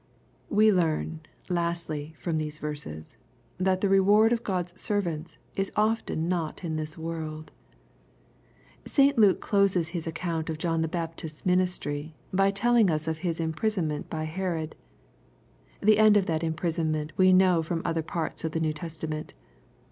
We learn, lastly, from these verses, that the reward of Ood's servants is often not in this worlds St. Luke closes his account of John the Baptist's ministry, by telling us of his imprisonment by Herod. The end of that imprisonment we know from other parts of the New Testament.